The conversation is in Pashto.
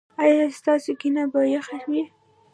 ایا ستاسو کینه به یخه وي؟